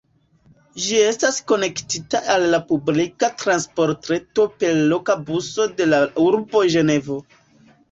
Ĝi estas konektita al la publika transportreto per loka buso de la urbo Ĝenevo.